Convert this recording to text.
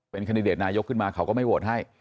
คันดิเดตนายกขึ้นมาเขาก็ไม่โหวตให้